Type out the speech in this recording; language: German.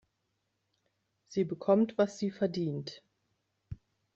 Sie bekommt, was sie verdient.